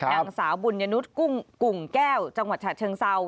นางสาวบุญยนุษย์กุ่งแก้วจังหวัดฉะเชิงเซา